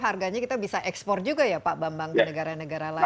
harganya kita bisa ekspor juga ya pak bambang ke negara negara lain